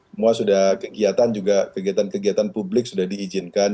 semua sudah kegiatan juga kegiatan kegiatan publik sudah diizinkan